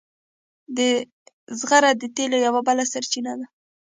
زغر د تیلو یوه بله سرچینه ده.